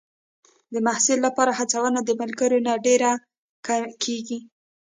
د محصل لپاره هڅونه د ملګرو نه ډېره کېږي.